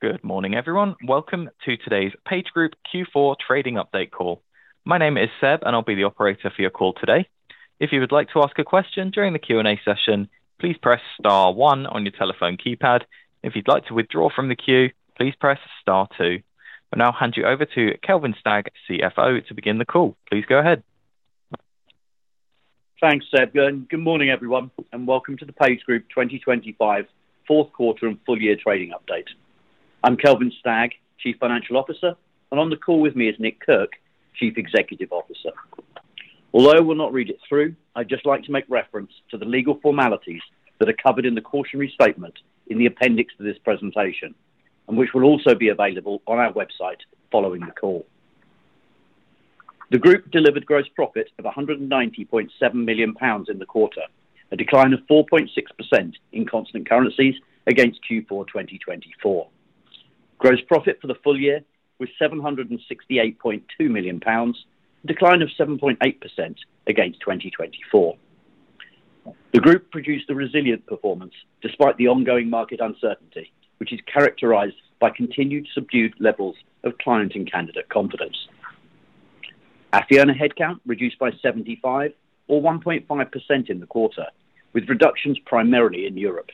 Good morning, everyone. Welcome to today's PageGroup Q4 Trading Update call. My name is Seb, and I'll be the operator for your call today. If you would like to ask a question during the Q&A session, please press Star 1 on your telephone keypad. If you'd like to withdraw from the queue, please press Star 2. I'll now hand you over to Kelvin Stagg, CFO, to begin the call. Please go ahead. Thanks, Seb. Good morning, everyone, and welcome to the PageGroup 2025 Fourth Quarter and Full Year Trading Update. I'm Kelvin Stagg, Chief Financial Officer, and on the call with me is Nicholas Kirk, Chief Executive Officer. Although we'll not read it through, I'd just like to make reference to the legal formalities that are covered in the cautionary statement in the appendix to this presentation, and which will also be available on our website following the call. The Group delivered gross profit of 190.7 million pounds in the quarter, a decline of 4.6% in constant currencies against Q4 2024. Gross profit for the full year was 768.2 million pounds, a decline of 7.8% against 2024. The Group produced a resilient performance despite the ongoing market uncertainty, which is characterized by continued subdued levels of client and candidate confidence. Fee earner headcount reduced by 75, or 1.5% in the quarter, with reductions primarily in Europe.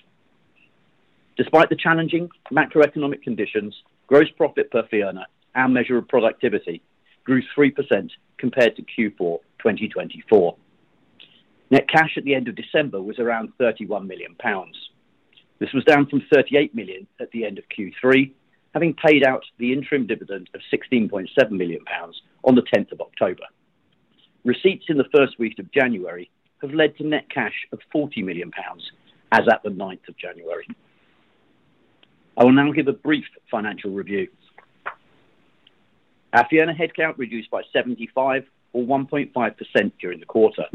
Despite the challenging macroeconomic conditions, gross profit per fee earner, our measure of productivity, grew 3% compared to Q4 2024. Net cash at the end of December was around 31 million pounds. This was down from 38 million at the end of Q3, having paid out the interim dividend of 16.7 million pounds on the 10th of October. Receipts in the first week of January have led to net cash of 40 million pounds as at the 9th of January. I will now give a brief financial review. Fee earner headcount reduced by 75, or 1.5% during the quarter,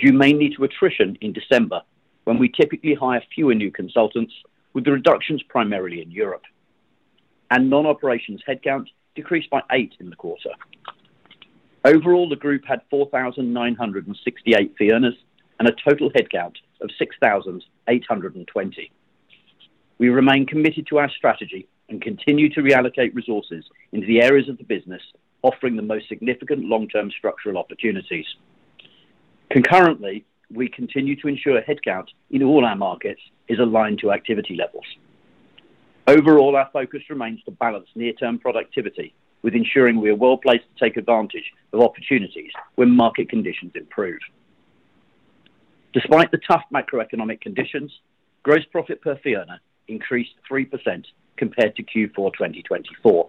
due mainly to attrition in December when we typically hire fewer new consultants, with the reductions primarily in Europe. And non-operations headcount decreased by 8 in the quarter. Overall, the Group had 4,968 fee earners and a total headcount of 6,820. We remain committed to our strategy and continue to reallocate resources into the areas of the business offering the most significant long-term structural opportunities. Concurrently, we continue to ensure headcount in all our markets is aligned to activity levels. Overall, our focus remains to balance near-term productivity with ensuring we are well placed to take advantage of opportunities when market conditions improve. Despite the tough macroeconomic conditions, gross profit per fee earner increased 3% compared to Q4 2024.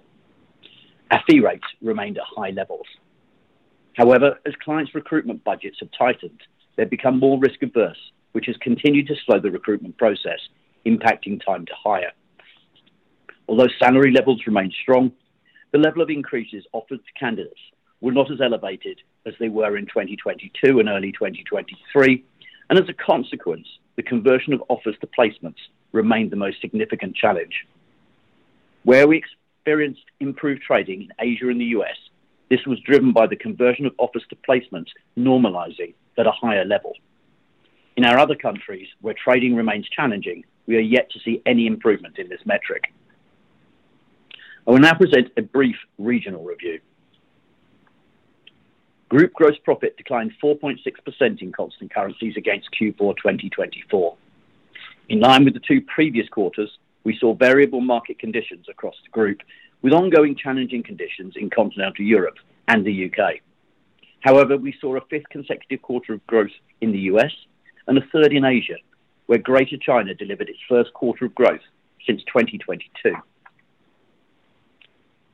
Our fee rates remained at high levels. However, as clients' recruitment budgets have tightened, they've become more risk-averse, which has continued to slow the recruitment process, impacting time to hire. Although salary levels remained strong, the level of increases offered to candidates were not as elevated as they were in 2022 and early 2023, and as a consequence, the conversion of offers to placements remained the most significant challenge. Where we experienced improved trading in Asia and the U.S., this was driven by the conversion of offers to placements normalizing at a higher level. In our other countries, where trading remains challenging, we are yet to see any improvement in this metric. I will now present a brief regional review. Group gross profit declined 4.6% in constant currencies against Q4 2024. In line with the two previous quarters, we saw variable market conditions across the Group, with ongoing challenging conditions in continental Europe and the U.K. However, we saw a fifth consecutive quarter of growth in the U.S. and a third in Asia, where Greater China delivered its first quarter of growth since 2022.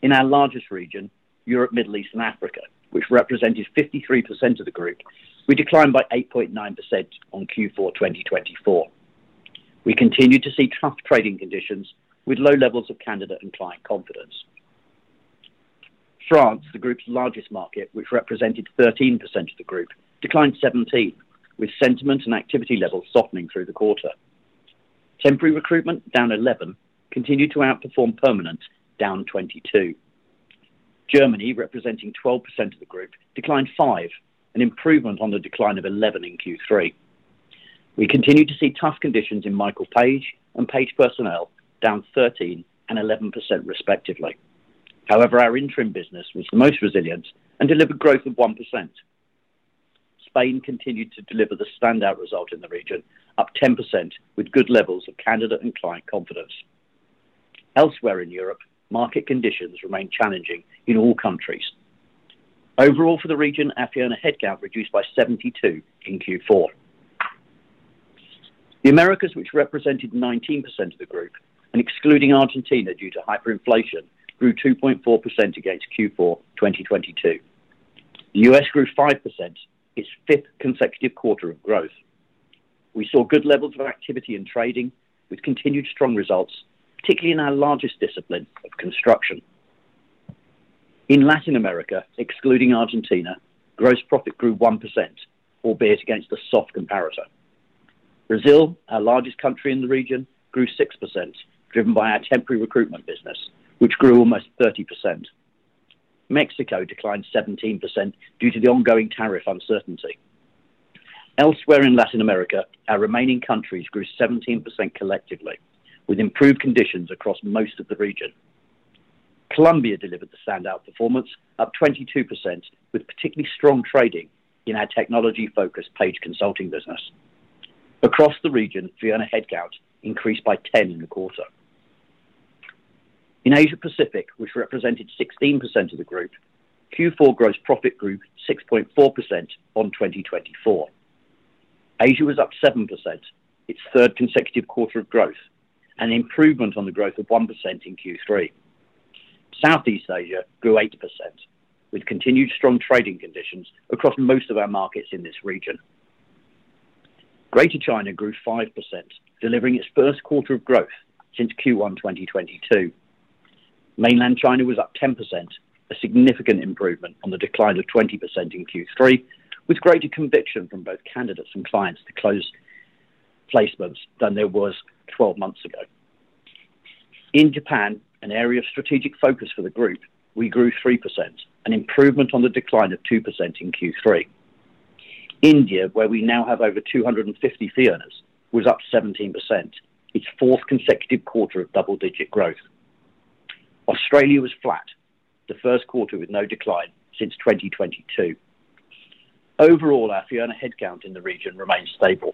In our largest region, Europe, Middle East, and Africa, which represented 53% of the Group, we declined by 8.9% on Q4 2024. We continued to see tough trading conditions with low levels of candidate and client confidence. France, the Group's largest market, which represented 13% of the Group, declined 17%, with sentiment and activity levels softening through the quarter. Temporary recruitment, down 11%, continued to outperform permanent, down 22%. Germany, representing 12% of the Group, declined 5%, an improvement on the decline of 11% in Q3. We continued to see tough conditions in Michael Page and Page Personnel, down 13% and 11% respectively. However, our interim business was the most resilient and delivered growth of 1%. Spain continued to deliver the standout result in the region, up 10% with good levels of candidate and client confidence. Elsewhere in Europe, market conditions remained challenging in all countries. Overall, for the region, fee earner headcount reduced by 72% in Q4. The Americas, which represented 19% of the Group, and excluding Argentina due to hyperinflation, grew 2.4% against Q4 2022. The U.S. grew 5%, its fifth consecutive quarter of growth. We saw good levels of activity in trading, with continued strong results, particularly in our largest discipline of construction. In Latin America, excluding Argentina, gross profit grew 1%, albeit against a soft comparison. Brazil, our largest country in the region, grew 6%, driven by our temporary recruitment business, which grew almost 30%. Mexico declined 17% due to the ongoing tariff uncertainty. Elsewhere in Latin America, our remaining countries grew 17% collectively, with improved conditions across most of the region. Colombia delivered the standout performance, up 22%, with particularly strong trading in our technology-focused Page Consulting business. Across the region, fee earner headcount increased by 10% in the quarter. In Asia-Pacific, which represented 16% of the Group, Q4 gross profit grew 6.4% on 2024. Asia was up 7%, its third consecutive quarter of growth, an improvement on the growth of 1% in Q3. Southeast Asia grew 8%, with continued strong trading conditions across most of our markets in this region. Greater China grew 5%, delivering its first quarter of growth since Q1 2022. Mainland China was up 10%, a significant improvement on the decline of 20% in Q3, with greater conviction from both candidates and clients to close placements than there was 12 months ago. In Japan, an area of strategic focus for the Group, we grew 3%, an improvement on the decline of 2% in Q3. India, where we now have over 250 fee earners, was up 17%, its fourth consecutive quarter of double-digit growth. Australia was flat, the first quarter with no decline since 2022. Overall, our fee earner headcount in the region remained stable.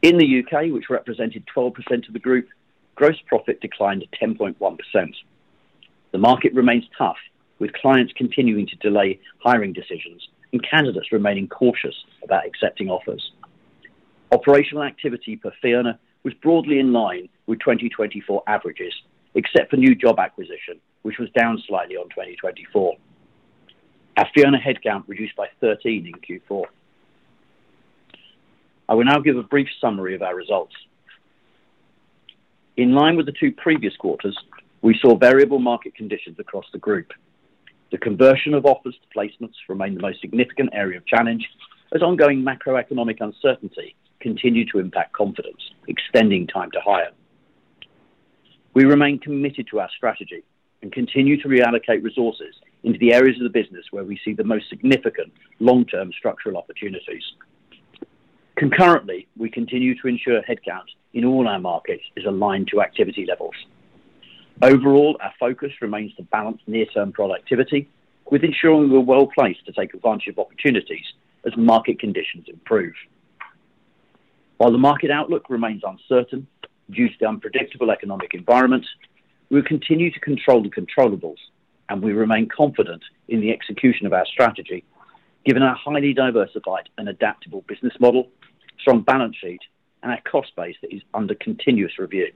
In the U.K., which represented 12% of the Group, gross profit declined 10.1%. The market remains tough, with clients continuing to delay hiring decisions and candidates remaining cautious about accepting offers. Operational activity per fee earner was broadly in line with 2024 averages, except for new job acquisition, which was down slightly on 2024. Our fee earner headcount reduced by 13% in Q4. I will now give a brief summary of our results. In line with the two previous quarters, we saw variable market conditions across the Group. The conversion of offers to placements remained the most significant area of challenge, as ongoing macroeconomic uncertainty continued to impact confidence, extending time to hire. We remain committed to our strategy and continue to reallocate resources into the areas of the business where we see the most significant long-term structural opportunities. Concurrently, we continue to ensure headcount in all our markets is aligned to activity levels. Overall, our focus remains to balance near-term productivity, with ensuring we're well placed to take advantage of opportunities as market conditions improve. While the market outlook remains uncertain due to the unpredictable economic environment, we will continue to control the controllables and we remain confident in the execution of our strategy, given our highly diversified and adaptable business model, strong balance sheet, and our cost base that is under continuous review.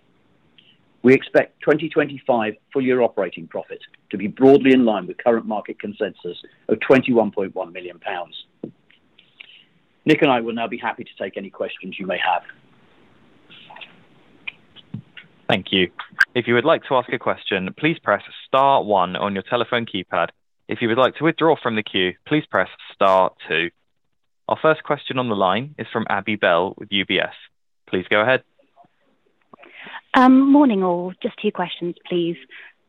We expect 2025 full-year operating profit to be broadly in line with current market consensus of 21.1 million pounds. Nicholas and I will now be happy to take any questions you may have. Thank you. If you would like to ask a question, please press star one on your telephone keypad. If you would like to withdraw from the queue, please press star two. Our first question on the line is from Abi Bell with UBS. Please go ahead. Morning all. Just two questions, please.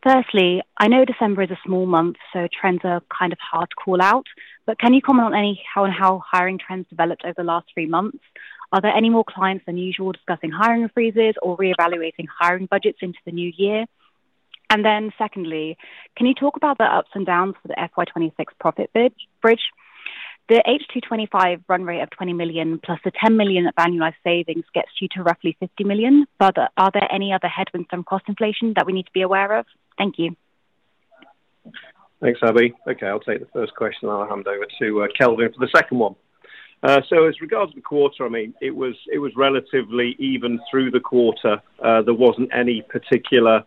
Firstly, I know December is a small month, so trends are kind of hard to call out, but can you comment on how hiring trends developed over the last three months? Are there any more clients than usual discussing hiring freezes or reevaluating hiring budgets into the new year? And then secondly, can you talk about the ups and downs for the FY26 profit bridge? The H225 run rate of 20 million plus the 10 million of annualized savings gets you to roughly 50 million. Are there any other headwinds from cost inflation that we need to be aware of? Thank you. Thanks, Abi. Okay, I'll take the first question and I'll hand over to Kelvin for the second one. So as regards the quarter, I mean, it was relatively even through the quarter. There wasn't any particular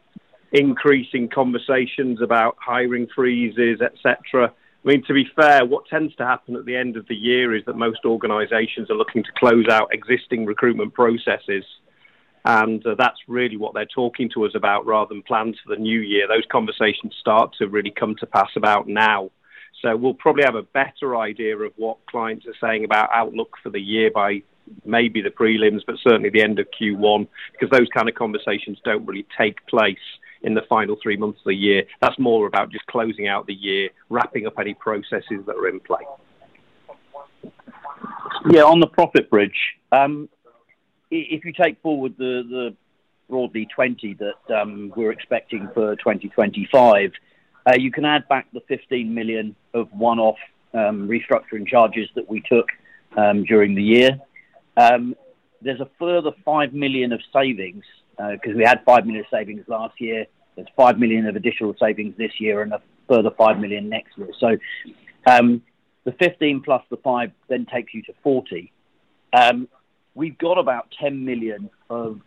increase in conversations about hiring freezes, etc. I mean, to be fair, what tends to happen at the end of the year is that most organizations are looking to close out existing recruitment processes, and that's really what they're talking to us about rather than plans for the new year. Those conversations start to really come to pass about now. So we'll probably have a better idea of what clients are saying about outlook for the year by maybe the prelims, but certainly the end of Q1, because those kind of conversations don't really take place in the final three months of the year. That's more about just closing out the year, wrapping up any processes that are in play. Yeah, on the profit bridge, if you take forward the broadly 20 million that we're expecting for 2025, you can add back the 15 million of one-off restructuring charges that we took during the year. There's a further 5 million of savings because we had 5 million of savings last year. There's 5 million of additional savings this year and a further 5 million next year. So the 15 plus the 5 then takes you to 40. We've got about 10 million of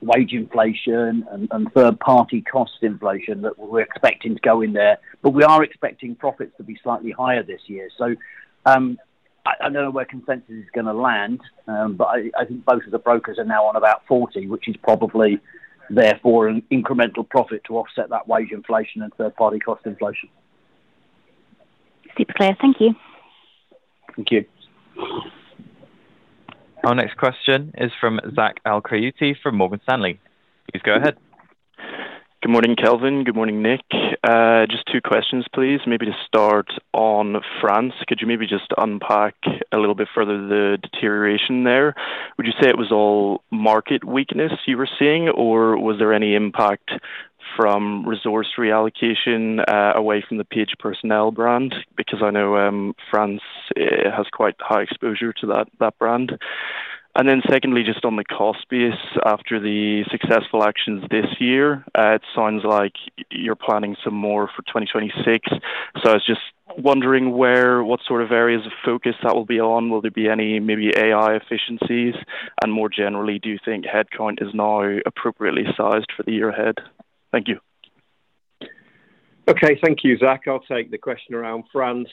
wage inflation and third-party cost inflation that we're expecting to go in there, but we are expecting profits to be slightly higher this year. So I don't know where consensus is going to land, but I think both of the brokers are now on about 40, which is probably there for an incremental profit to offset that wage inflation and third-party cost inflation. Super clear. Thank you. Thank you. Our next question is from Zack Ali from Morgan Stanley. Please go ahead. Good morning, Kelvin. Good morning, Nicholas. Just two questions, please. Maybe to start on France, could you maybe just unpack a little bit further the deterioration there? Would you say it was all market weakness you were seeing, or was there any impact from resource reallocation away from the Page Personnel brand? Because I know France has quite high exposure to that brand. And then secondly, just on the cost base, after the successful actions this year, it sounds like you're planning some more for 2026. So I was just wondering what sort of areas of focus that will be on. Will there be any maybe AI efficiencies? And more generally, do you think headcount is now appropriately sized for the year ahead? Thank you. Okay, thank you, Zack. I'll take the question around France.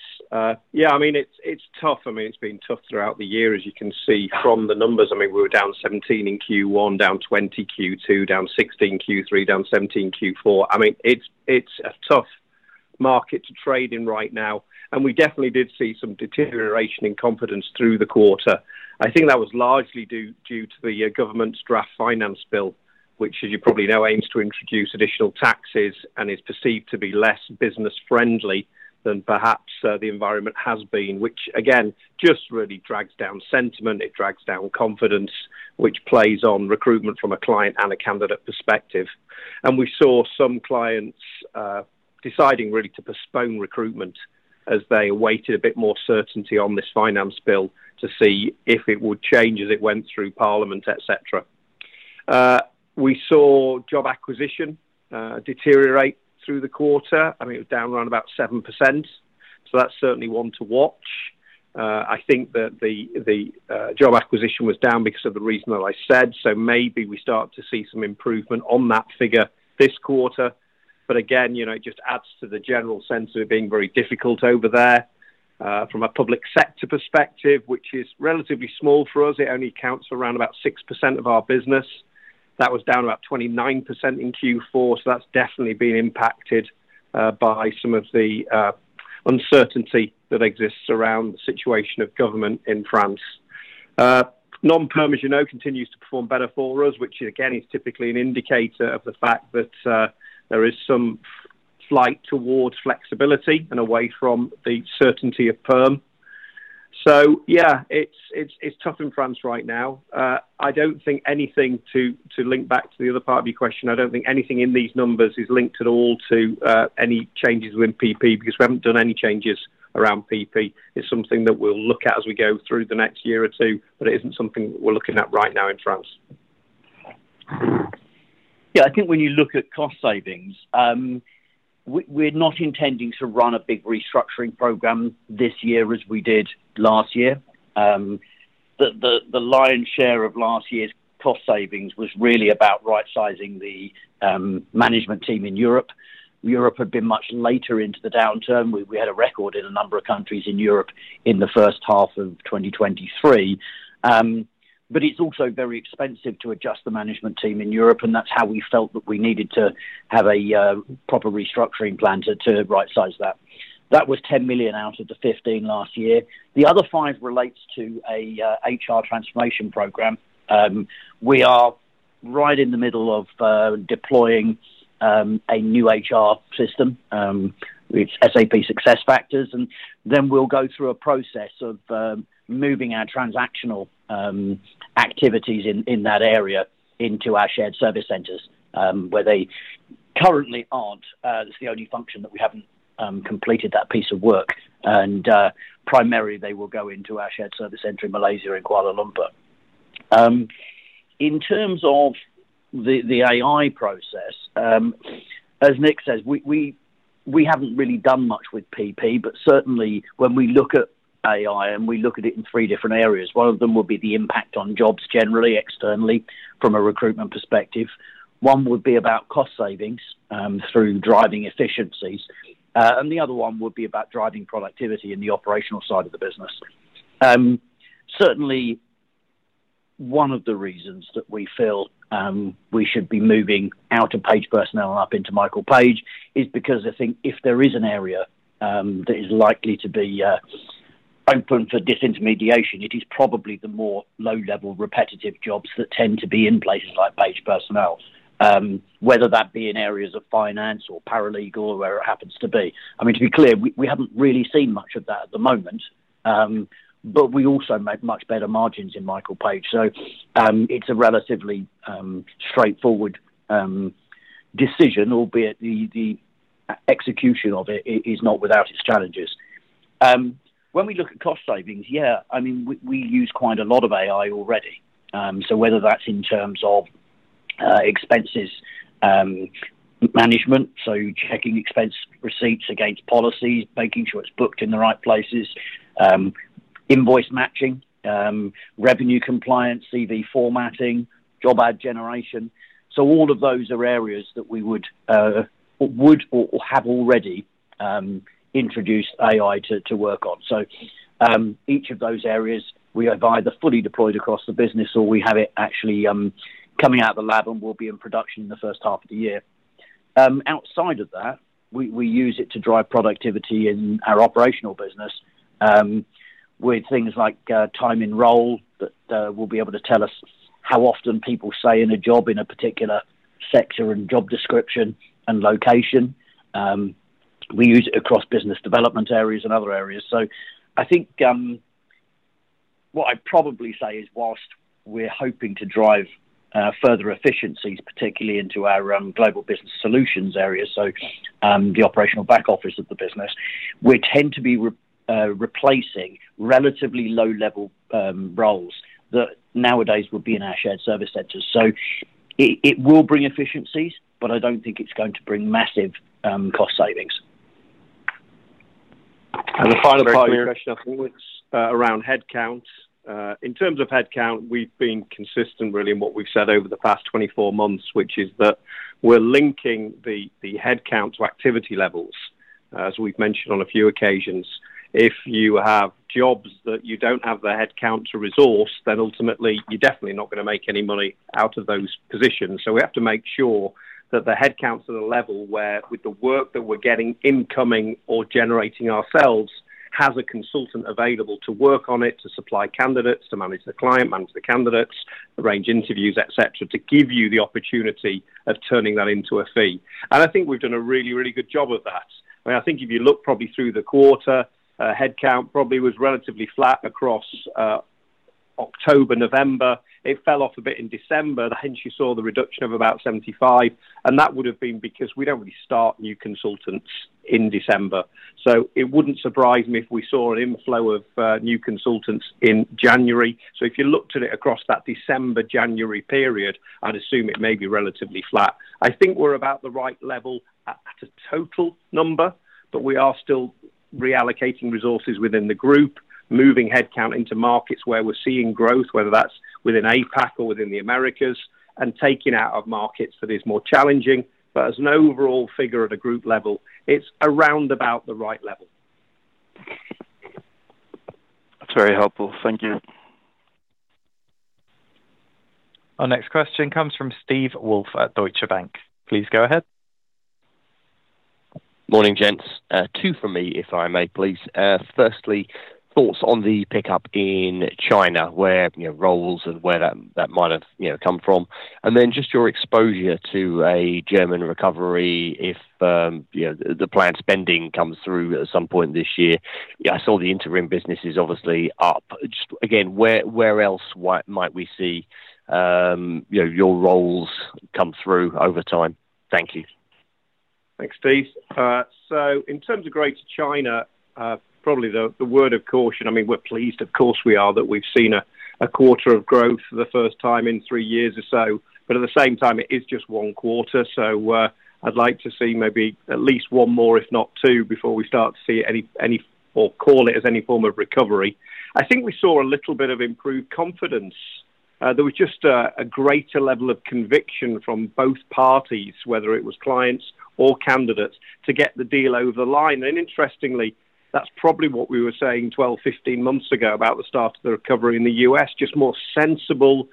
Yeah, I mean, it's tough. I mean, it's been tough throughout the year, as you can see from the numbers. I mean, we were down 17% in Q1, down 20% Q2, down 16% Q3, down 17% Q4. I mean, it's a tough market to trade in right now. And we definitely did see some deterioration in confidence through the quarter. I think that was largely due to the government's draft finance bill, which, as you probably know, aims to introduce additional taxes and is perceived to be less business-friendly than perhaps the environment has been, which, again, just really drags down sentiment. It drags down confidence, which plays on recruitment from a client and a candidate perspective. We saw some clients deciding really to postpone recruitment as they awaited a bit more certainty on this finance bill to see if it would change as it went through parliament, etc. We saw job acquisition deteriorate through the quarter. I mean, it was down around about 7%. So that's certainly one to watch. I think that the job acquisition was down because of the reason that I said. So maybe we start to see some improvement on that figure this quarter. But again, it just adds to the general sense of it being very difficult over there from a public sector perspective, which is relatively small for us. It only counts for around about 6% of our business. That was down about 29% in Q4. So that's definitely been impacted by some of the uncertainty that exists around the situation of government in France. Non-PERM, as you know, continues to perform better for us, which again is typically an indicator of the fact that there is some shift towards flexibility and away from the certainty of PERM. So yeah, it's tough in France right now. I don't think anything to link back to the other part of your question. I don't think anything in these numbers is linked at all to any changes within PP because we haven't done any changes around PP. It's something that we'll look at as we go through the next year or two, but it isn't something that we're looking at right now in France. Yeah, I think when you look at cost savings, we're not intending to run a big restructuring program this year as we did last year. The lion's share of last year's cost savings was really about right-sizing the management team in Europe. Europe had been much later into the downturn. We had a record in a number of countries in Europe in the first half of 2023. But it's also very expensive to adjust the management team in Europe, and that's how we felt that we needed to have a proper restructuring plan to right-size that. That was 10 million out of the 15 last year. The other five relates to an HR transformation program. We are right in the middle of deploying a new HR system. It's SAP SuccessFactors. Then we'll go through a process of moving our transactional activities in that area into our shared service centers, where they currently aren't. It's the only function that we haven't completed that piece of work. Primarily, they will go into our shared service center in Malaysia and Kuala Lumpur. In terms of the AI process, as Nicholas says, we haven't really done much with PP, but certainly when we look at AI and we look at it in three different areas, one of them will be the impact on jobs generally, externally, from a recruitment perspective. One would be about cost savings through driving efficiencies. The other one would be about driving productivity in the operational side of the business. Certainly, one of the reasons that we feel we should be moving out of Page Personnel and up into Michael Page is because I think if there is an area that is likely to be open for disintermediation, it is probably the more low-level repetitive jobs that tend to be in places like Page Personnel, whether that be in areas of finance or paralegal or wherever it happens to be. I mean, to be clear, we haven't really seen much of that at the moment, but we also make much better margins in Michael Page. So it's a relatively straightforward decision, albeit the execution of it is not without its challenges. When we look at cost savings, yeah, I mean, we use quite a lot of AI already. So whether that's in terms of expenses management, so checking expense receipts against policies, making sure it's booked in the right places, invoice matching, revenue compliance, CV formatting, job ad generation. So all of those are areas that we would have already introduced AI to work on. So each of those areas, we have either fully deployed across the business or we have it actually coming out of the lab and will be in production in the first half of the year. Outside of that, we use it to drive productivity in our operational business with things like time in role that will be able to tell us how often people stay in a job in a particular sector and job description and location. We use it across business development areas and other areas. I think what I'd probably say is whilst we're hoping to drive further efficiencies, particularly into our global business solutions areas, so the operational back office of the business, we tend to be replacing relatively low-level roles that nowadays would be in our shared service centers. So it will bring efficiencies, but I don't think it's going to bring massive cost savings. A final part of your question around headcount. In terms of headcount, we've been consistent really in what we've said over the past 24 months, which is that we're linking the headcount to activity levels, as we've mentioned on a few occasions. If you have jobs that you don't have the headcount to resource, then ultimately you're definitely not going to make any money out of those positions. So we have to make sure that the headcount is at a level where, with the work that we're getting incoming or generating ourselves, has a consultant available to work on it, to supply candidates, to manage the client, manage the candidates, arrange interviews, etc., to give you the opportunity of turning that into a fee. And I think we've done a really, really good job of that. I mean, I think if you look probably through the quarter, headcount probably was relatively flat across October, November. It fell off a bit in December. Then you saw the reduction of about 75. And that would have been because we don't really start new consultants in December. So it wouldn't surprise me if we saw an inflow of new consultants in January. So if you looked at it across that December, January period, I'd assume it may be relatively flat. I think we're about the right level at a total number, but we are still reallocating resources within the group, moving headcount into markets where we're seeing growth, whether that's within APAC or within the Americas, and taking out of markets that is more challenging. But as an overall figure at a group level, it's around about the right level. That's very helpful. Thank you. Our next question comes from Steve Woolf at Deutsche Bank. Please go ahead. Morning, gents. Two from me, if I may, please. Firstly, thoughts on the pickup in China, where roles and where that might have come from. And then just your exposure to a German recovery if the planned spending comes through at some point this year. I saw the interim business is obviously up. Just again, where else might we see your roles come through over time? Thank you. Thanks, Steve. So in terms of Greater China, probably the word of caution, I mean, we're pleased, of course, we are that we've seen a quarter of growth for the first time in three years or so. But at the same time, it is just one quarter. So I'd like to see maybe at least one more, if not two, before we start to see it or call it as any form of recovery. I think we saw a little bit of improved confidence. There was just a greater level of conviction from both parties, whether it was clients or candidates, to get the deal over the line. Interestingly, that's probably what we were saying 12, 15 months ago about the start of the recovery in the U.S., just more sensible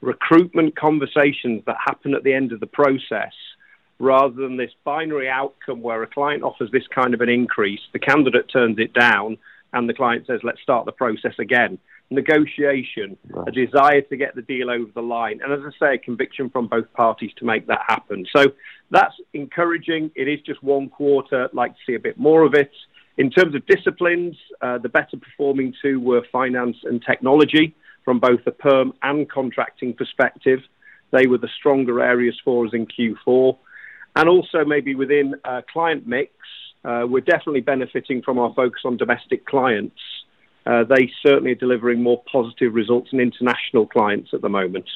recruitment conversations that happen at the end of the process, rather than this binary outcome where a client offers this kind of an increase, the candidate turns it down, and the client says, "Let's start the process again." Negotiation, a desire to get the deal over the line. As I say, conviction from both parties to make that happen. So that's encouraging. It is just one quarter. I'd like to see a bit more of it. In terms of disciplines, the better performing two were finance and technology from both the PERM and contracting perspective. They were the stronger areas for us in Q4. Also maybe within client mix, we're definitely benefiting from our focus on domestic clients. They certainly are delivering more positive results in international clients at the moment.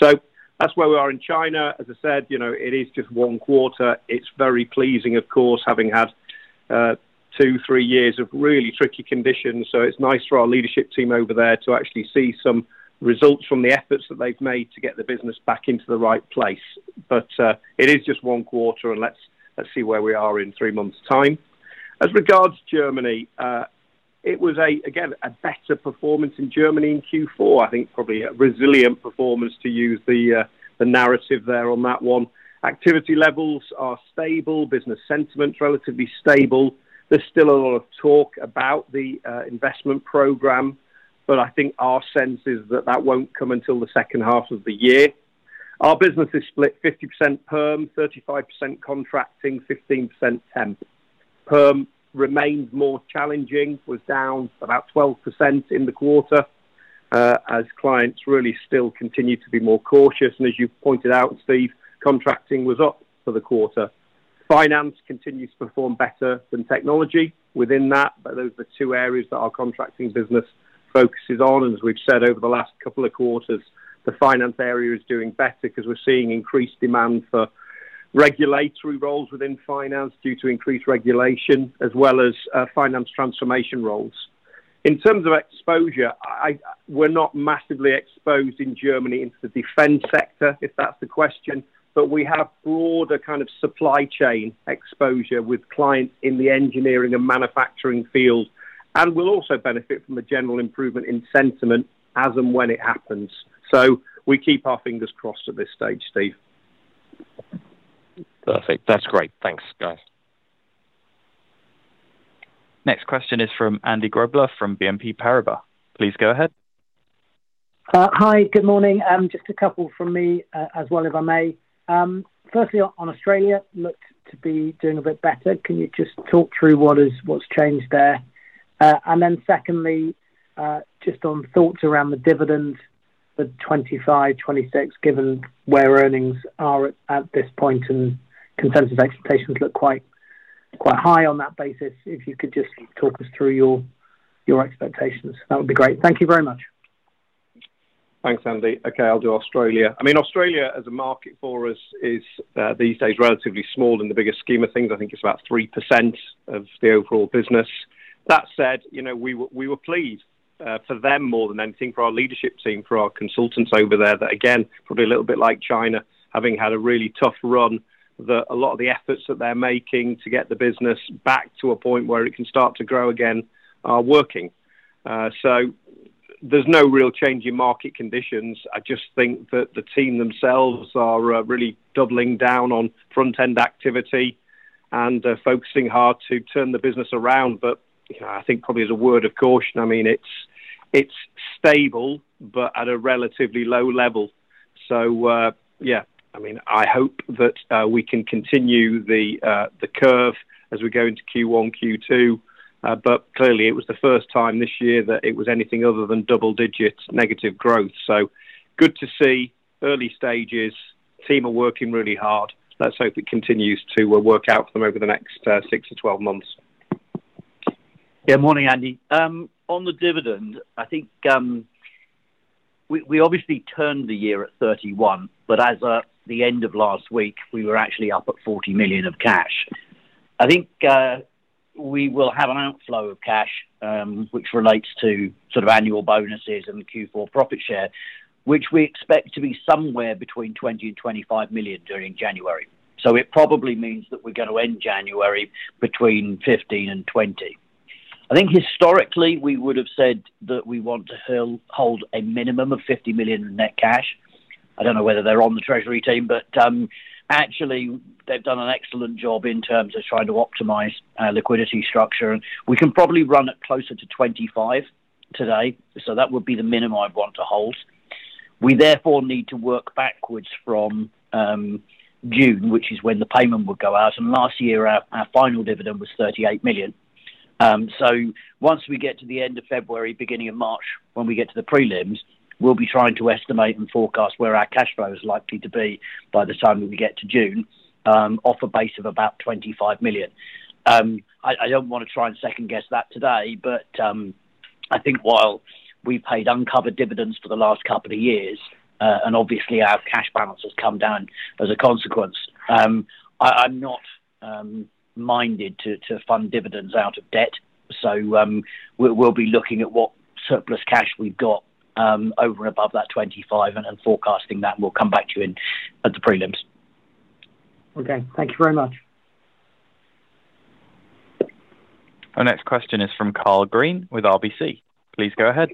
So that's where we are in China. As I said, it is just one quarter. It's very pleasing, of course, having had two, three years of really tricky conditions. So it's nice for our leadership team over there to actually see some results from the efforts that they've made to get the business back into the right place. But it is just one quarter, and let's see where we are in three months' time. As regards Germany, it was, again, a better performance in Germany in Q4. I think probably a resilient performance to use the narrative there on that one. Activity levels are stable. Business sentiment's relatively stable. There's still a lot of talk about the investment program, but I think our sense is that that won't come until the second half of the year. Our business is split 50% PERM, 35% contracting, 15% temp. PERM remained more challenging, was down about 12% in the quarter as clients really still continue to be more cautious. As you've pointed out, Steve, contracting was up for the quarter. Finance continues to perform better than technology within that, but those are the two areas that our contracting business focuses on. As we've said over the last couple of quarters, the finance area is doing better because we're seeing increased demand for regulatory roles within finance due to increased regulation, as well as finance transformation roles. In terms of exposure, we're not massively exposed in Germany into the defense sector, if that's the question, but we have broader kind of supply chain exposure with clients in the engineering and manufacturing field. We'll also benefit from a general improvement in sentiment as and when it happens. So we keep our fingers crossed at this stage, Steve. Perfect. That's great. Thanks, guys. Next question is from Andy Grobler from BNP Paribas. Please go ahead. Hi, good morning. Just a couple from me as well if I may. Firstly, on Australia, looked to be doing a bit better. Can you just talk through what's changed there? And then secondly, just on thoughts around the dividend, the 25, 26, given where earnings are at this point, and consensus expectations look quite high on that basis. If you could just talk us through your expectations, that would be great. Thank you very much. Thanks, Andy. Okay, I'll do Australia. I mean, Australia as a market for us is these days relatively small in the bigger scheme of things. I think it's about 3% of the overall business. That said, we were pleased for them more than anything, for our leadership team, for our consultants over there that, again, probably a little bit like China, having had a really tough run, that a lot of the efforts that they're making to get the business back to a point where it can start to grow again are working. So there's no real change in market conditions. I just think that the team themselves are really doubling down on front-end activity and focusing hard to turn the business around. But I think probably as a word of caution, I mean, it's stable, but at a relatively low level. So yeah, I mean, I hope that we can continue the curve as we go into Q1, Q2. But clearly, it was the first time this year that it was anything other than double-digit negative growth. So good to see early stages. Team are working really hard. Let's hope it continues to work out for them over the next six to 12 months. Yeah, morning, Andy. On the dividend, I think we obviously turned the year at 31 million, but as of the end of last week, we were actually up at 40 million of cash. I think we will have an outflow of cash, which relates to sort of annual bonuses and Q4 profit share, which we expect to be somewhere between 20 million and 25 million during January. So it probably means that we're going to end January between 15 million and 20 million. I think historically, we would have said that we want to hold a minimum of 50 million in net cash. I don't know whether they're on the treasury team, but actually, they've done an excellent job in terms of trying to optimize our liquidity structure. We can probably run it closer to 25 million today. So that would be the minimum I'd want to hold. We therefore need to work backwards from June, which is when the payment would go out. And last year, our final dividend was 38 million. So once we get to the end of February, beginning of March, when we get to the prelims, we'll be trying to estimate and forecast where our cash flow is likely to be by the time we get to June off a base of about 25 million. I don't want to try and second-guess that today, but I think while we've paid uncovered dividends for the last couple of years, and obviously, our cash balance has come down as a consequence, I'm not minded to fund dividends out of debt. So we'll be looking at what surplus cash we've got over and above that 25 and then forecasting that. And we'll come back to you at the prelims. Okay. Thank you very much. Our next question is from Karl Green with RBC. Please go ahead.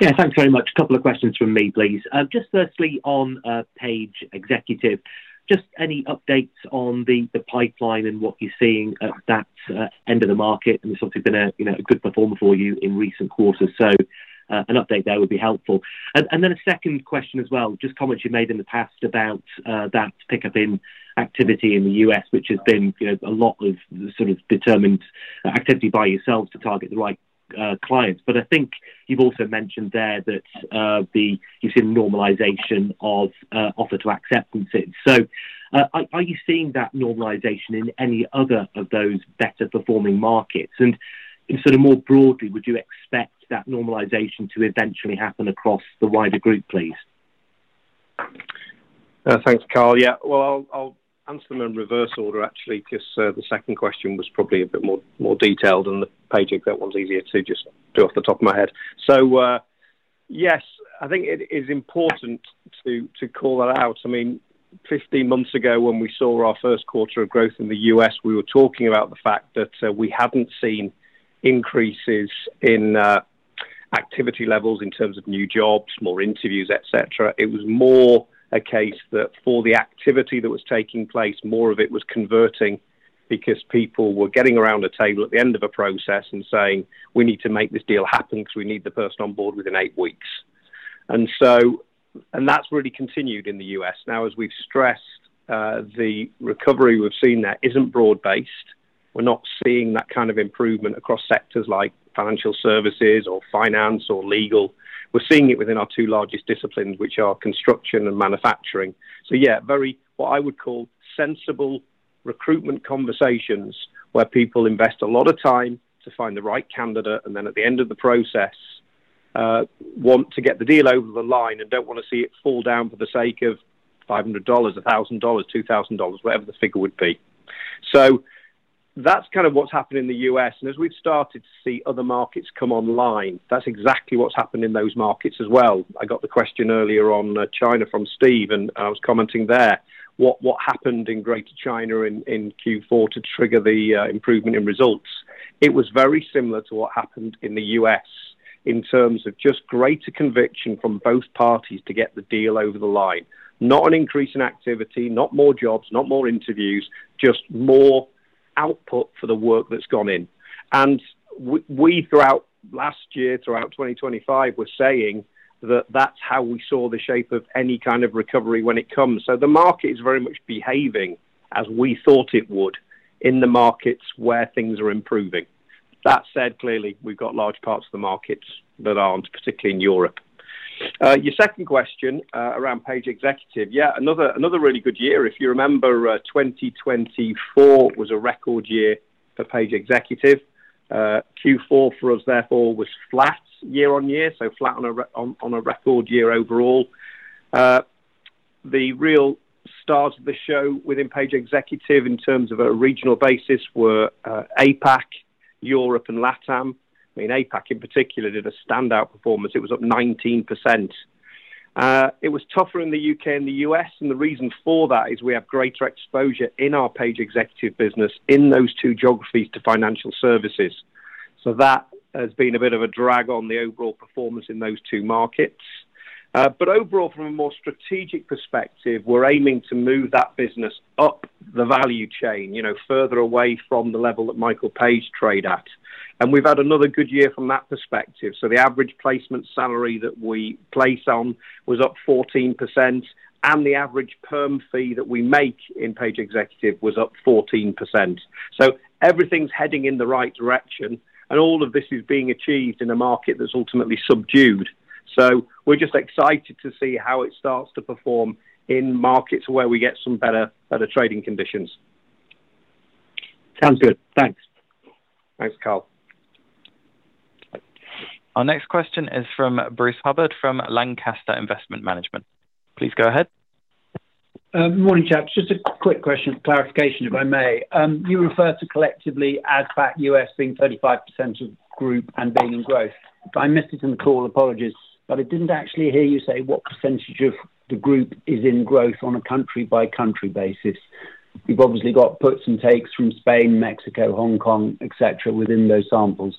Yeah, thanks very much. A couple of questions from me, please. Just firstly on Page Executive, just any updates on the pipeline and what you're seeing at that end of the market and sort of been a good performer for you in recent quarters. So an update there would be helpful. And then a second question as well, just comments you made in the past about that pickup in activity in the US, which has been a lot of sort of determined activity by yourselves to target the right clients. But I think you've also mentioned there that you've seen normalization of offer-to-acceptances. So are you seeing that normalization in any other of those better-performing markets? And sort of more broadly, would you expect that normalization to eventually happen across the wider group, please? Thanks, Karl. Yeah. Well, I'll answer them in reverse order, actually, because the second question was probably a bit more detailed, and the Page Executive one's easier to just do off the top of my head. So yes, I think it is important to call that out. I mean, 15 months ago, when we saw our first quarter of growth in the US, we were talking about the fact that we hadn't seen increases in activity levels in terms of new jobs, more interviews, etc. It was more a case that for the activity that was taking place, more of it was converting because people were getting around a table at the end of a process and saying, "We need to make this deal happen because we need the person on board within eight weeks," and that's really continued in the US. Now, as we've stressed, the recovery we've seen there isn't broad-based. We're not seeing that kind of improvement across sectors like financial services or finance or legal. We're seeing it within our two largest disciplines, which are construction and manufacturing. So yeah, very what I would call sensible recruitment conversations where people invest a lot of time to find the right candidate and then at the end of the process want to get the deal over the line and don't want to see it fall down for the sake of $500, $1,000, $2,000, whatever the figure would be. So that's kind of what's happened in the U.S. And as we've started to see other markets come online, that's exactly what's happened in those markets as well. I got the question earlier on China from Steve, and I was commenting there, what happened in Greater China in Q4 to trigger the improvement in results? It was very similar to what happened in the U.S. in terms of just greater conviction from both parties to get the deal over the line. Not an increase in activity, not more jobs, not more interviews, just more output for the work that's gone in. And we, throughout last year, throughout 2025, were saying that that's how we saw the shape of any kind of recovery when it comes. So the market is very much behaving as we thought it would in the markets where things are improving. That said, clearly, we've got large parts of the markets that aren't, particularly in Europe. Your second question around Page Executive, yeah, another really good year. If you remember, 2024 was a record year for Page Executive. Q4 for us, therefore, was flat year on year, so flat on a record year overall. The real stars of the show within Page Executive in terms of a regional basis were APAC, Europe, and LATAM. I mean, APAC in particular did a standout performance. It was up 19%. It was tougher in the UK and the US, and the reason for that is we have greater exposure in our Page Executive business in those two geographies to financial services. So that has been a bit of a drag on the overall performance in those two markets, but overall, from a more strategic perspective, we're aiming to move that business up the value chain, further away from the level that Michael Page trade at, and we've had another good year from that perspective. So the average placement salary that we place on was up 14%, and the average Perm fee that we make in Page Executive was up 14%. So everything's heading in the right direction, and all of this is being achieved in a market that's ultimately subdued. So we're just excited to see how it starts to perform in markets where we get some better trading conditions. Sounds good. Thanks. Thanks, Karl. Our next question is from Bruce Hubbard from Lancaster Investment Management. Please go ahead. Morning, chaps. Just a quick question, clarification, if I may. You refer to collectively as Americas being 35% of group and being in growth. I missed it in the call, apologies, but I didn't actually hear you say what percentage of the group is in growth on a country-by-country basis. You've obviously got puts and takes from Spain, Mexico, Hong Kong, etc., within those segments.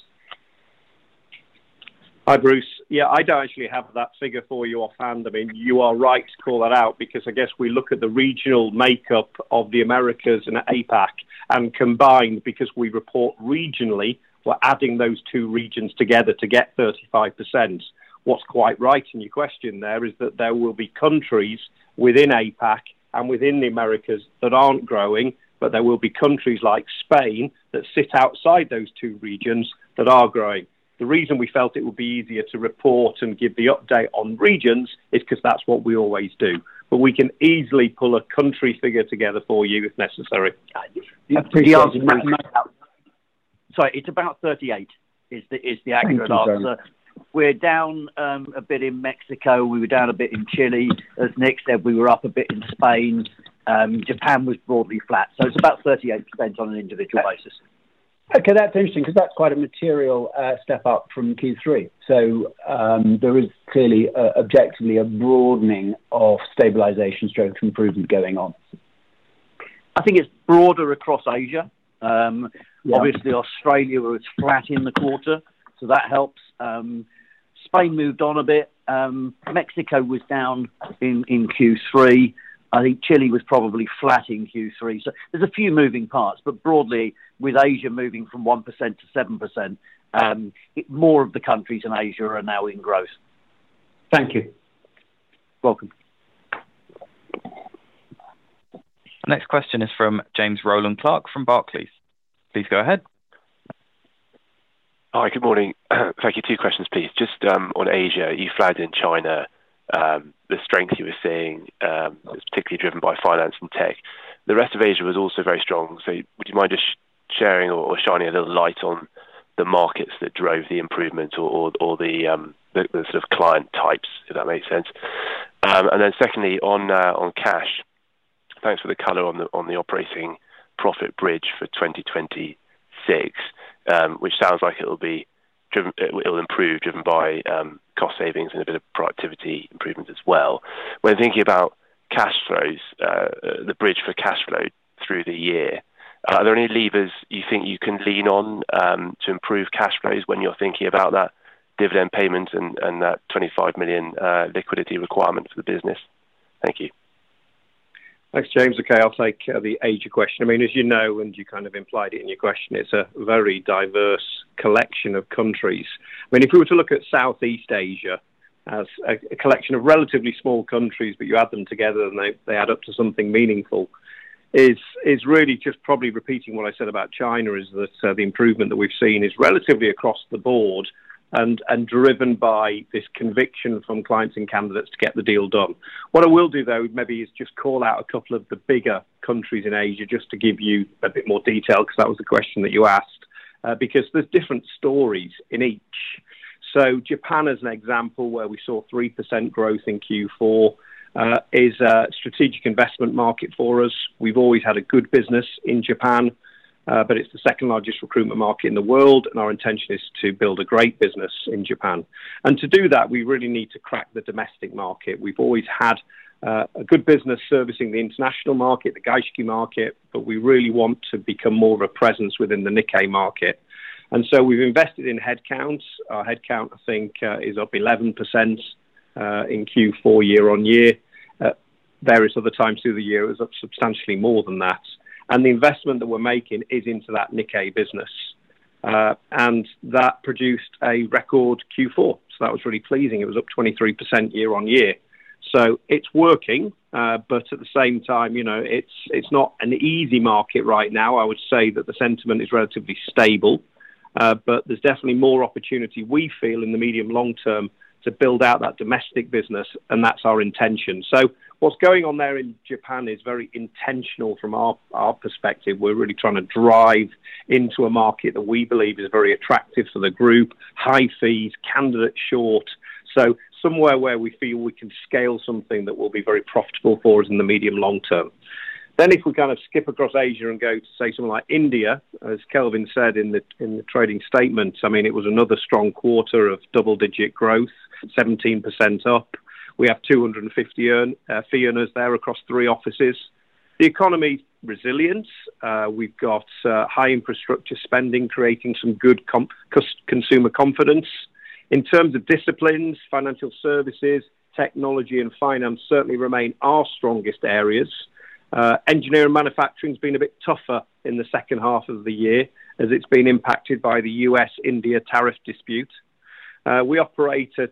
Hi, Bruce. Yeah, I don't actually have that figure for you offhand. I mean, you are right to call that out because I guess we look at the regional makeup of the Americas and APAC, and combined, because we report regionally, we're adding those two regions together to get 35%. What's quite right in your question there is that there will be countries within APAC and within the Americas that aren't growing, but there will be countries like Spain that sit outside those two regions that are growing. The reason we felt it would be easier to report and give the update on regions is because that's what we always do. But we can easily pull a country figure together for you if necessary. Sorry, it's about 38 is the accurate answer. We're down a bit in Mexico. We were down a bit in Chile. As Nicholas said, we were up a bit in Spain. Japan was broadly flat. So it's about 38% on an individual basis. Okay, that's interesting because that's quite a material step up from Q3. So there is clearly objectively a broadening of stabilization strength improvement going on. I think it's broader across Asia. Obviously, Australia was flat in the quarter, so that helps. Spain moved on a bit. Mexico was down in Q3. I think Chile was probably flat in Q3. So there's a few moving parts, but broadly, with Asia moving from 1% to 7%, more of the countries in Asia are now in growth. Thank you. Welcome. Next question is from James Rowland Clark from Barclays. Please go ahead. Hi, good morning. Thank you. Two questions, please. Just on Asia, you flagged in China, the strength you were seeing is particularly driven by finance and tech. The rest of Asia was also very strong. So would you mind just sharing or shining a little light on the markets that drove the improvement or the sort of client types, if that makes sense? And then secondly, on cash, thanks for the color on the operating profit bridge for 2026, which sounds like it will improve driven by cost savings and a bit of productivity improvement as well. When thinking about cash flows, the bridge for cash flow through the year, are there any levers you think you can lean on to improve cash flows when you're thinking about that dividend payment and that 25 million liquidity requirement for the business? Thank you. Thanks, James. Okay, I'll take the Asia question. I mean, as you know, and you kind of implied it in your question, it's a very diverse collection of countries. I mean, if we were to look at Southeast Asia as a collection of relatively small countries, but you add them together and they add up to something meaningful, it's really just probably repeating what I said about China is that the improvement that we've seen is relatively across the board and driven by this conviction from clients and candidates to get the deal done. What I will do, though, maybe is just call out a couple of the bigger countries in Asia just to give you a bit more detail because that was the question that you asked, because there's different stories in each. Japan, as an example, where we saw 3% growth in Q4, is a strategic investment market for us. We've always had a good business in Japan, but it's the second largest recruitment market in the world, and our intention is to build a great business in Japan. And to do that, we really need to crack the domestic market. We've always had a good business servicing the international market, the Gaishikei market, but we really want to become more of a presence within the Nikkei market. And so we've invested in headcounts. Our headcount, I think, is up 11% in Q4 year on year. Various other times through the year, it was up substantially more than that. And the investment that we're making is into that Nikkei business. And that produced a record Q4. So that was really pleasing. It was up 23% year on year. So it's working, but at the same time, it's not an easy market right now. I would say that the sentiment is relatively stable, but there's definitely more opportunity, we feel, in the medium-long term to build out that domestic business, and that's our intention. So what's going on there in Japan is very intentional from our perspective. We're really trying to drive into a market that we believe is very attractive for the group, high fees, candidates short. So somewhere where we feel we can scale something that will be very profitable for us in the medium-long term. Then if we kind of skip across Asia and go to, say, something like India, as Kelvin said in the trading statement, I mean, it was another strong quarter of double-digit growth, 17% up. We have 250 fee earners there across three offices. The economy's resilient. We've got high infrastructure spending creating some good consumer confidence. In terms of disciplines, financial services, technology, and finance certainly remain our strongest areas. Engineering manufacturing has been a bit tougher in the second half of the year as it's been impacted by the US-India tariff dispute. We operate at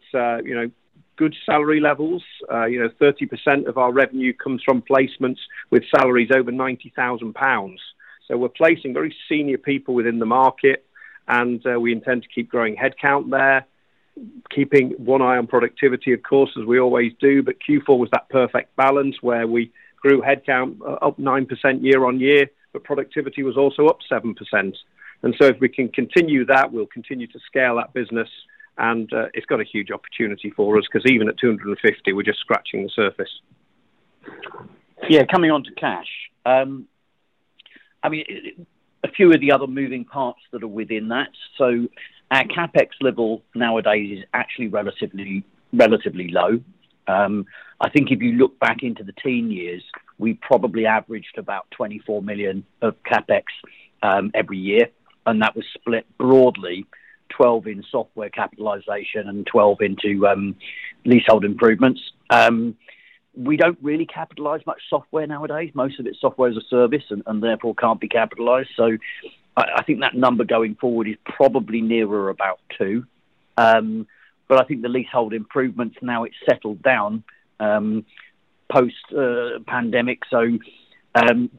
good salary levels. 30% of our revenue comes from placements with salaries over 90,000 pounds, so we're placing very senior people within the market, and we intend to keep growing headcount there, keeping one eye on productivity, of course, as we always do, but Q4 was that perfect balance where we grew headcount up 9% year on year, but productivity was also up 7%, and so if we can continue that, we'll continue to scale that business, and it's got a huge opportunity for us because even at 250, we're just scratching the surface. Yeah, coming on to cash. I mean, a few of the other moving parts that are within that. So at CapEx level nowadays is actually relatively low. I think if you look back into the teen years, we probably averaged about 24 million of CapEx every year, and that was split broadly, 12 million in software capitalization and 12 million into leasehold improvements. We don't really capitalize much software nowadays. Most of it's software as a service and therefore can't be capitalized. So I think that number going forward is probably nearer about 2 million. But I think the leasehold improvements now, it's settled down post-pandemic. So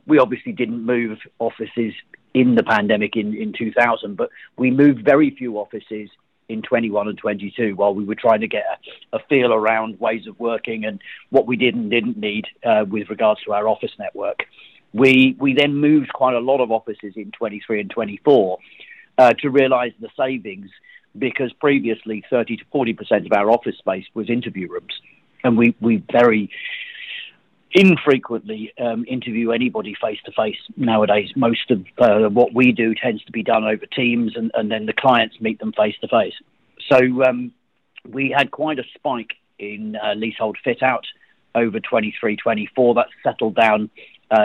we obviously didn't move offices in the pandemic in 2020, but we moved very few offices in 2021 and 2022 while we were trying to get a feel around ways of working and what we did and didn't need with regards to our office network. We then moved quite a lot of offices in 2023 and 2024 to realize the savings because previously, 30%-40% of our office space was interview rooms, and we very infrequently interview anybody face-to-face nowadays. Most of what we do tends to be done over Teams, and then the clients meet them face-to-face, so we had quite a spike in leasehold fit-out over 2023 and 2024. That's settled down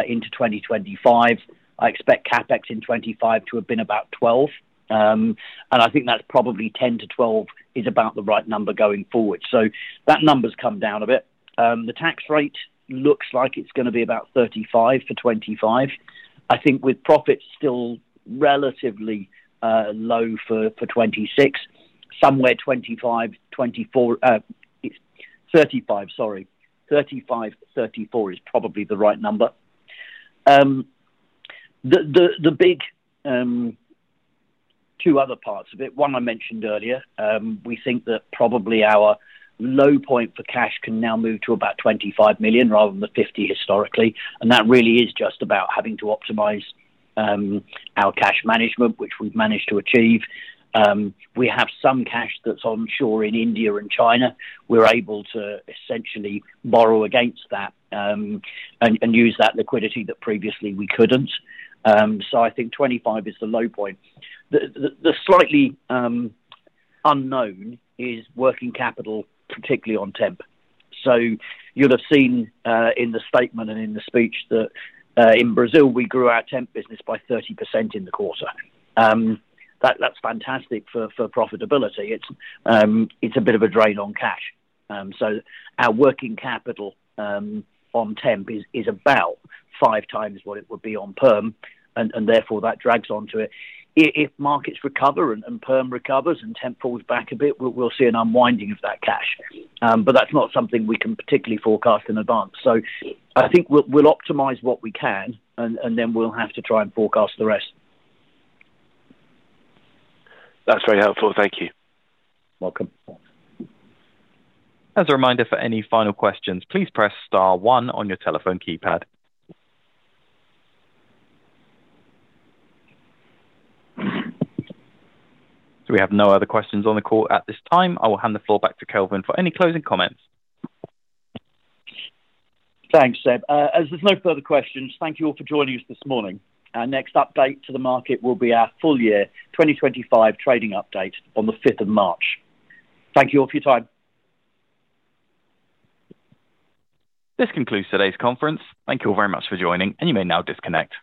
into 2025. I expect CapEx in 2025 to have been about 12. I think that's probably 10-12 is about the right number going forward, so that number's come down a bit. The tax rate looks like it's going to be about 35% for 2025. I think with profits still relatively low for 2026, somewhere 25%, 24%, 35%, sorry. 35%, 34% is probably the right number. The big two other parts of it, one I mentioned earlier. We think that probably our low point for cash can now move to about 25 million rather than the 50 million historically. That really is just about having to optimize our cash management, which we've managed to achieve. We have some cash that's on shore in India and China. We're able to essentially borrow against that and use that liquidity that previously we couldn't. So I think '25 is the low point. The slightly unknown is working capital, particularly on temp. So you'll have seen in the statement and in the speech that in Brazil, we grew our temp business by 30% in the quarter. That's fantastic for profitability. It's a bit of a drain on cash. So our working capital on temp is about five times what it would be on PERM, and therefore that drags onto it. If markets recover and PERM recovers and temp falls back a bit, we'll see an unwinding of that cash. But that's not something we can particularly forecast in advance. So I think we'll optimize what we can, and then we'll have to try and forecast the rest. That's very helpful. Thank you. Welcome. As a reminder, for any final questions, please press star one on your telephone keypad. So we have no other questions on the call at this time. I will hand the floor back to Kelvin for any closing comments. Thanks, Seb. As there's no further questions, thank you all for joining us this morning. Our next update to the market will be our full-year 2025 trading update on the 5th of March. Thank you all for your time. This concludes today's conference. Thank you all very much for joining, and you may now disconnect.